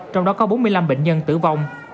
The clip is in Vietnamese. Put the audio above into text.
trong đó có bốn mươi năm bệnh nhân tử vong